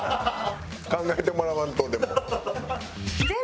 考えてもらわんとでも。